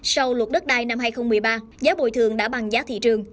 sau luật đất đai năm hai nghìn một mươi ba giá bồi thường đã bằng giá thị trường